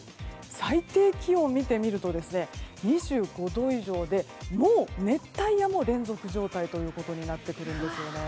最低気温を見てみると２５度以上で熱帯夜も連続状態となってくるんですね。